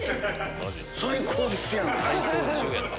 最高ですやんか！